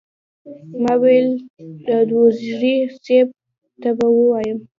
ما ویل داوودزي صیب ته به ووایم.